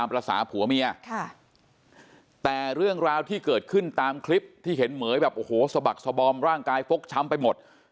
ภาษาผัวเมียแต่เรื่องราวที่เกิดขึ้นตามคลิปที่เห็นเหม๋ยแบบโอ้โหสะบักสบอมร่างกายฟกช้ำไปหมด